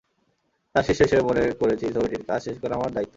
তাঁর শিষ্য হিসেবে মনে করেছি, ছবিটির কাজ শেষ করা আমার দায়িত্ব।